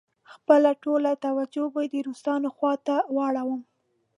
خپله ټوله توجه به د روسانو خواته واړوم.